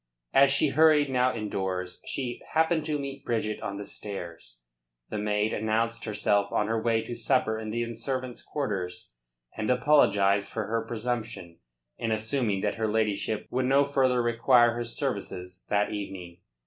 As she hurried now indoors she happened to meet Bridget on the stairs. The maid announced herself on her way to supper in the servants' quarters, and apologised for her presumption in assuming that her ladyship would no further require her services that evening.